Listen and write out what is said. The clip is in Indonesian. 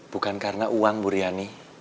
bukan karena uang bu riani